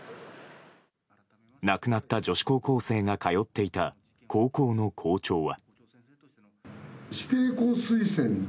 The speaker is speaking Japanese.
亡くなった女子高校生が通っていた高校の校長は。